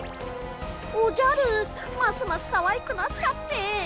おじゃるますますかわいくなっちゃって。